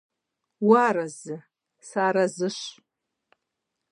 - Уарэзы? - Сыарэзыщ, -.